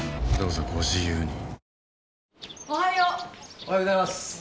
おはようございます。